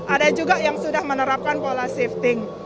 ada juga yang sudah menerapkan pola shifting